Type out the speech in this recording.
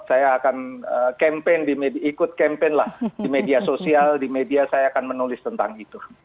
saya akan campaign ikut campaign lah di media sosial di media saya akan menulis tentang itu